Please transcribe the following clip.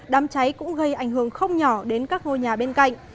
đám cháy cũng gây ảnh hưởng không nhỏ đến các ngôi nhà bên cạnh